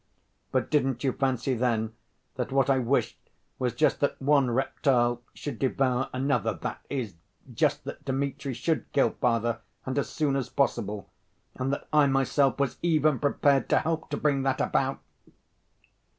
But didn't you fancy then that what I wished was just that 'one reptile should devour another'; that is, just that Dmitri should kill father, and as soon as possible ... and that I myself was even prepared to help to bring that about?"